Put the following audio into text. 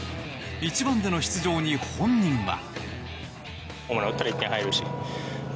１番での出場に本人は。